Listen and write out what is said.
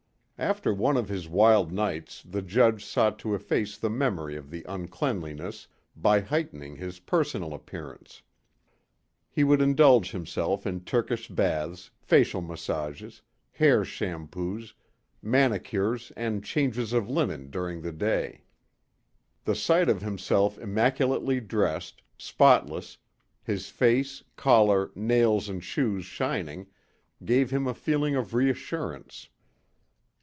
After one of his wild nights the judge sought to efface the memory of the uncleanliness by heightening his personal appearance. He would indulge himself in Turkish baths, facial massages, hair shampoos, manicures and changes of linen during the day. The sight of himself immaculately dressed, spotless, his face, collar, nails and shoes shining, gave him a feeling of reassurance.